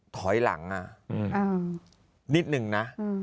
ถอยหลังนิดนึงนะ